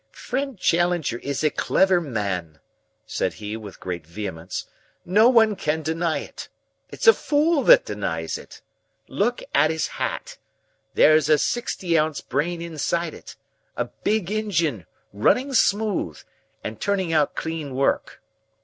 "Friend Challenger is a clever man," said he with great vehemence. "No one can deny it. It's a fool that denies it. Look at his hat. There's a sixty ounce brain inside it a big engine, running smooth, and turning out clean work.